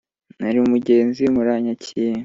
Nari umugenzi muranyakira